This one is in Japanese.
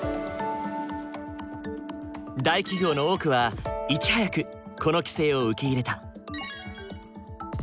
大企業の多くはいち早くこの規制を受け入れた。